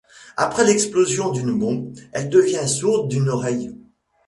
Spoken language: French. Après l'explosion d'une bombe, elle devient sourde d'une oreille.